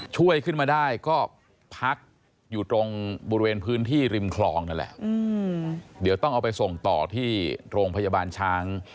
ช่วยขึ้นมาได้ก็พักอยู่ตรงบริเวณพื้นที่ริมคลองนั่นแหละเดี๋ยวต้องเอาไปส่งต่อที่โรงพยาบาลช้าง